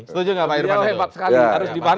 setuju nggak pak irfan